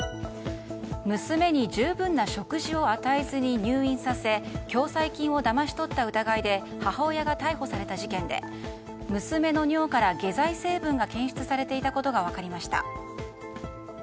娘に十分な食事を与えずに入院させ共済金をだまし取った疑いで母親が逮捕された事件で娘の尿から下剤成分が検出されていたことが分かりました。